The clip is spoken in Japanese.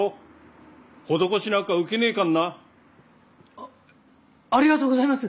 あのあありがとうございます！